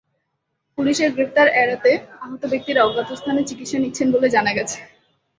পুলিশের গ্রেপ্তার এড়াতে আহত ব্যক্তিরা অজ্ঞাত স্থানে চিকিৎসা নিচ্ছেন বলে জানা গেছে।